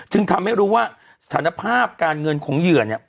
ทำให้รู้ว่าสถานภาพการเงินของเหยื่อเนี่ย